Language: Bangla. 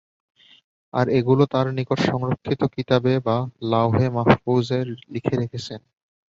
আর এগুলো তাঁর নিকট সংরক্ষিত কিতাবে বা লাওহে মাহফুযে লিখে রেখেছেন।